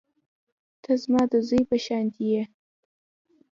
ته زما د زوى په شانتې يې.